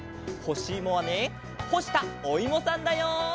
ほしいもはねほしたおいもさんだよ。